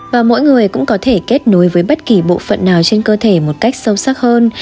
và mỗi người cũng có thể kết nối với bất kỳ bộ phận nào trên cơ thể một cách sâu sắc hơn